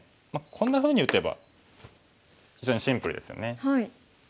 こんなふうに打てば非常にシンプルですよね。